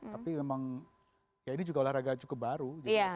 tapi memang ya ini juga olahraga cukup baru